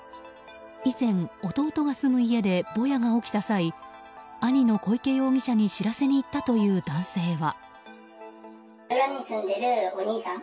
以前、弟が住む家でボヤが起きた際兄の小池容疑者に知らせに行ったという男性は。